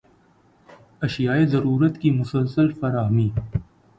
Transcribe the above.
اشیائے ضرورت کی مسلسل فراہمی